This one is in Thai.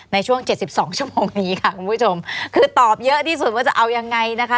ในช่วง๗๒ชั่วโมงนี้ค่ะคุณผู้ชมคือตอบเยอะที่สุดว่าจะเอายังไงนะคะ